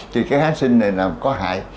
thì cái kháng sinh này là có hại